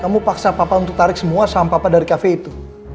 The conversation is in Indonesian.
kamu paksa papa untuk tarik semua saham papa dari kafe itu